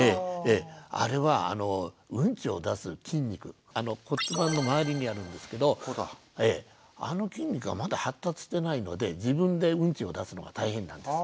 あれはウンチを出す筋肉骨盤の周りにあるんですけどあの筋肉がまだ発達してないので自分でウンチを出すのが大変なんです。